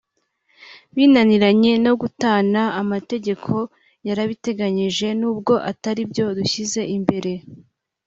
binaniranye no gutana amategeko yarabiteganyije n’ubwo atari byo dushyize imbere